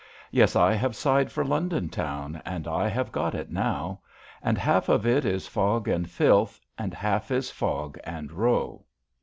Yes, I have sighed for London town And I have got it now : And half of it is fog and filth, And half is fog and row.